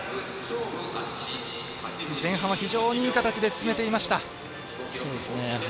前半は非常にいい形で進めていました。